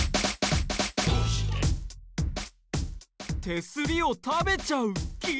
手すりを食べちゃう木？